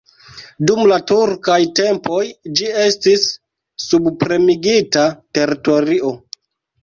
Dum la turkaj tempoj ĝi estis subpremigita teritorio.